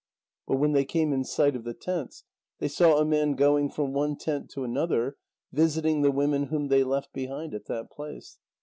But when they came in sight of the tents, they saw a man going from one tent to another, visiting the women whom they left behind at that place.